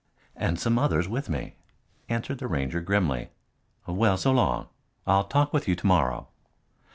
"And some others with me," answered the Ranger grimly. "Well, so long. I'll talk with you to morrow."